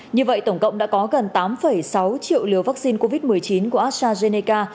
như vậy tổng cộng đã có gần tám sáu triệu liều vaccine covid một mươi chín của astrazeneca